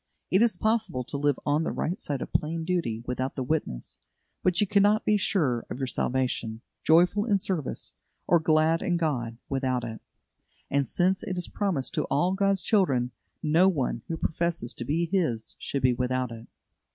It is possible to live on the right side of plain duty without the witness, but you cannot be sure of your salvation, joyful in service, or glad in God, without it; and since it is promised to all God's children, no one who professes to be His should be without it.